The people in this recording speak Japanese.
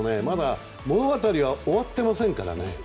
まだ終わっていませんからね。